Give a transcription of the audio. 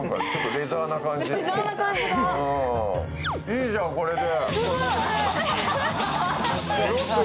いいじゃん、これで。